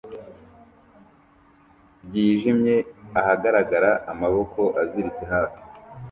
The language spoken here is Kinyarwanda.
byijimye ahagarara amaboko aziritse hafi